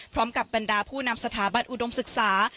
พร้อมกับบรรดาผู้นำสถาบันอุดมศึกษา